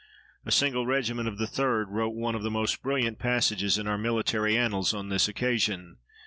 A single regiment of the 3d wrote one of the most brilliant pages in our military annals on this occasion.